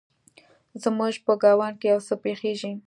زموږ په ګاونډ کې يو څه پیښیږي